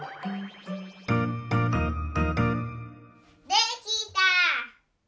できた。